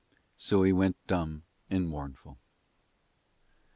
So he went dumb and mournful.